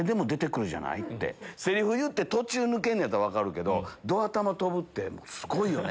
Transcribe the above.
セリフ言って途中抜けるんやったら分かるけどど頭飛ぶってすごいよね！